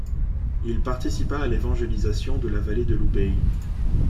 Il participa à l'évangélisation de la vallée de l'Ubaye.